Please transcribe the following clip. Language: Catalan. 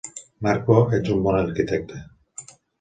Marco, ets un bon arquitecte.